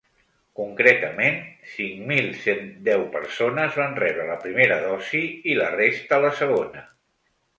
Concretament, cinc mil cent deu persones van rebre la primera dosi i la resta la segona.